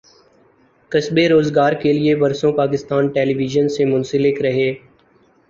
کسبِ روزگارکے لیے برسوں پاکستان ٹیلی وژن سے منسلک رہے